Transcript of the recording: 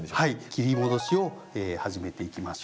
切り戻しを始めていきましょう。